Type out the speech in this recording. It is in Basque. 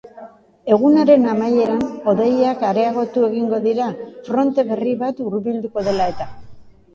Egunaren amaieran hodeiak areagotu egingo dira, fronte berri bat hurbilduko dela eta.